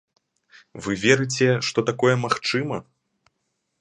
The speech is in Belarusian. Вы верыце, што такое магчыма?